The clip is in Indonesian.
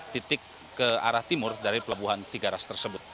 titik ke arah timur dari pelabuhan tiga ras tersebut